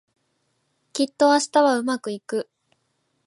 きっと明日はうまくいく